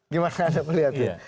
gimana anda melihatnya